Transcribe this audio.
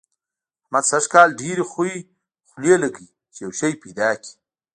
احمد سږ کال ډېرې خوې لګوي چي يو شی پيدا کړي.